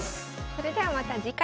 それではまた次回。